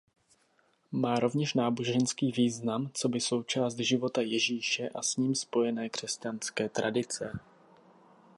Má rovněž náboženský význam coby součást života Ježíše a s ním spojené křesťanské tradice.